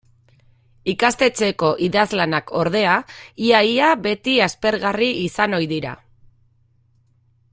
Ikastetxeko idazlanak, ordea, ia-ia beti aspergarri izan ohi dira.